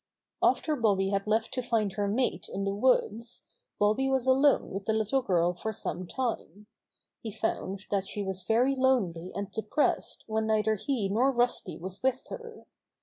After Goldy had left to find her mate in the woods, Bobby was alone with the little girl for some time. He found that she was very lonely and depressed when neither he nor Rusty was with her.